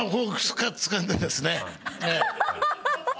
つかんでですね。